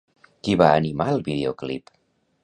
Qui va animar el videoclip?